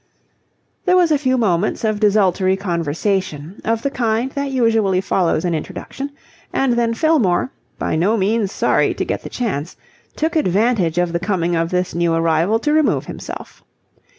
There was a few moments of desultory conversation, of the kind that usually follows an introduction, and then Fillmore, by no means sorry to get the chance, took advantage of the coming of this new arrival to remove himself.